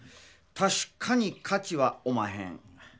たしかに価値はおまへん。